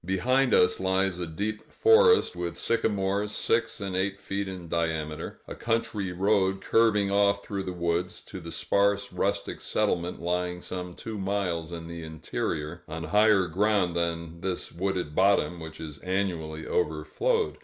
Behind us lies a deep forest, with sycamores six and eight feet in diameter; a country road curving off through the woods, to the sparse rustic settlement lying some two miles in the interior on higher ground than this wooded bottom, which is annually overflowed.